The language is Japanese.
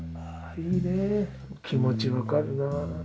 いいねぇ気持ちわかるな。